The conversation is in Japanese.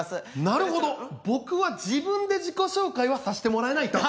なるほど僕は自分で自己紹介はさしてもらえないと。